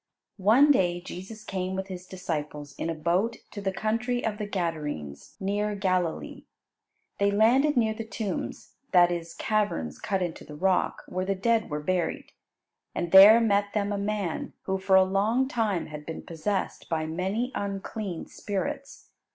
One day Jesus came with His disciples in a boat to the country of the Gadarenes, near Galilee. They landed near the tombs, that is, caverns cut into the rock, where the dead were buried. And there met them a man, who, for a long time, had been possessed by many unclean spirits.